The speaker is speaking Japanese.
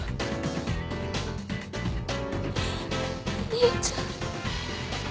お兄ちゃん。